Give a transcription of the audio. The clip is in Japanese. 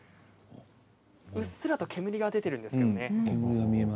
うっすらと煙が出ているんですけどね。